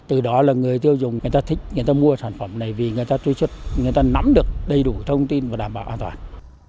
từ đó là người tiêu dùng người ta thích người ta mua sản phẩm này vì người ta truy xuất người ta nắm được đầy đủ thông tin và đảm bảo an toàn